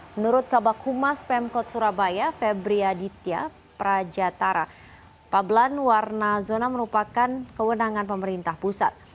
menurut kabak humas pemkot surabaya febri aditya prajatara pablan warna zona merupakan kewenangan pemerintah pusat